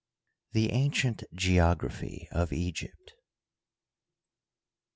The Ancient Geography of Egypt.